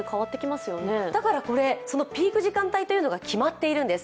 だから、そのピーク時間帯というのが決まっているんです。